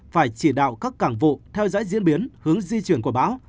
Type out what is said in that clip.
phải chỉ đạo các cảng vụ theo dõi diễn biến hướng di chuyển của bão